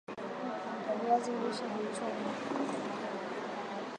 viazi lishe huchomwa